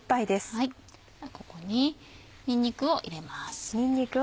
ここににんにくを入れます。